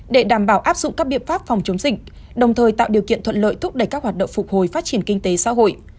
để đảm bảo áp dụng các biện pháp phòng chống dịch đồng thời tạo điều kiện thuận lợi thúc đẩy các hoạt động phục hồi phát triển kinh tế xã hội